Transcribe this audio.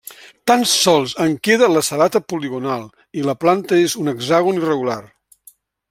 Tan sols en queda la sabata poligonal i la planta és un hexàgon irregular.